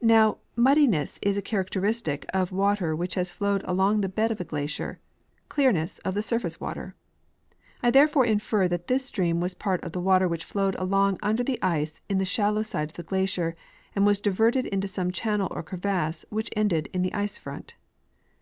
Now, muddiness is a characteristic of water which has flowe'd along the bed of a glacier, clearness of the surface water ; I therefore infer that this stream was part of the water which flowed along under the ice in the shalloAV side of the glacier and was diverted into some channel or crevasse which ended in the ice front.